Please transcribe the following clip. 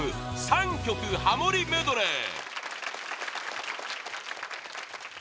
３曲ハモりメドレー